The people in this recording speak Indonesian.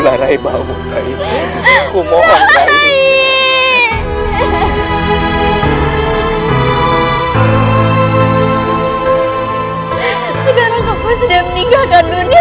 sekarang aku sudah meninggalkan dunia